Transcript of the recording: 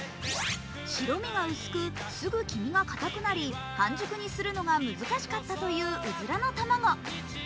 白身が薄くすぐ卵が固くなり半熟にするのが難しかったといううずらの卵。